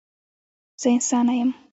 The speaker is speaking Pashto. زه انسانه یم.